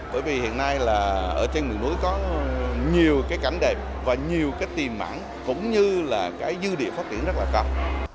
bởi vì hiện nay ở trên miền núi có nhiều cảnh đẹp và nhiều tiềm mãn cũng như dư địa phát triển rất là cao